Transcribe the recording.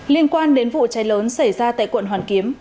liên quan đến vụ cháy lớn xảy ra tại quận hoàn kiếm